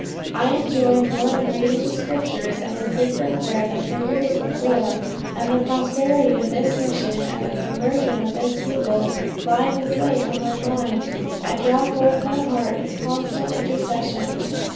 I enjoy more in reading the Scriptures, and in secret prayer than for years before; and the prosperity of this mission, and the conversion of this people, lie with weight on my mind, and draw forth my heart in constant intercession.